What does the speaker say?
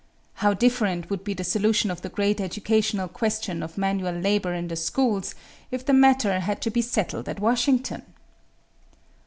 How different would be the solution of the great educational question of manual labor in the schools, if the matter had to be settled at Washington!